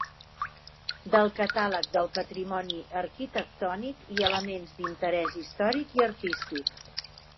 Del catàleg del Patrimoni Arquitectònic i Elements d'Interès Històric i Artístic.